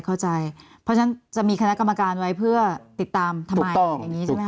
เพราะฉะนั้นจะมีคณะคำการไว้เพื่อติดตามทำไม